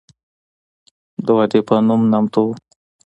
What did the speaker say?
د وادي پنوم نامتو وه.